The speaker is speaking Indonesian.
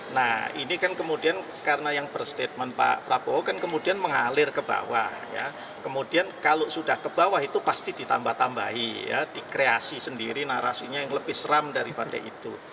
nah ini kan kemudian karena yang berstatement pak prabowo kan kemudian mengalir ke bawah ya kemudian kalau sudah ke bawah itu pasti ditambah tambahi ya dikreasi sendiri narasinya yang lebih seram daripada itu